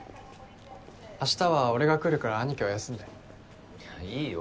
明日は俺が来るから兄貴は休んでいいよ